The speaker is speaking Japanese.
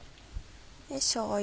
しょうゆ